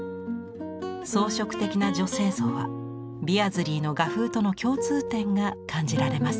装飾的な女性像はビアズリーの画風との共通点が感じられます。